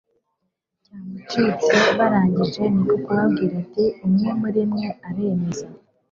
cyamucitse. barangije ni ko kubabwira ati umwe muri mwe aremeza